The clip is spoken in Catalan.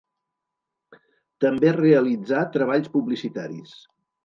També realitzà treballs publicitaris.